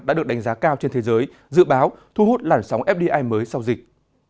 đã được đánh giá cao trên thế giới dự báo thu hút làn sóng fdi mới sau dịch